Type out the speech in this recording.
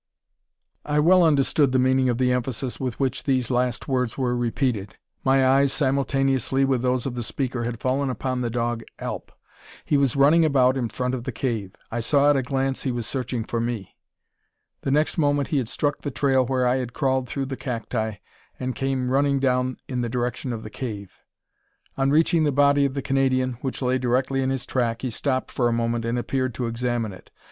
I well understood the meaning of the emphasis with which these last words were repeated. My eyes, simultaneously with those of the speaker, had fallen upon the dog Alp. He was running about in front of the cave. I saw at a glance he was searching for me. The next moment he had struck the trail where I had crawled through the cacti, and came running down in the direction of the cave. On reaching the body of the Canadian, which lay directly in his track, he stopped for a moment and appeared to examine it.